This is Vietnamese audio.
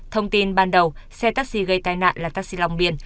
thông tin ban đầu xe taxi gây tai nạn là taxi long biên